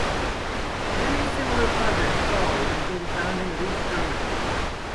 Many similar projects followed until the founding of East Germany.